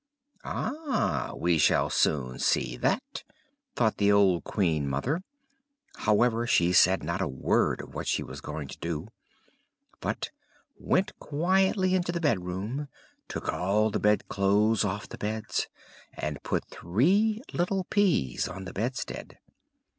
"Ah! we shall soon see that!" thought the old Queen mother; however, she said not a word of what she was going to do; but went quietly into the bedroom, took all the bed clothes off the bed, and put three little peas on the bedstead.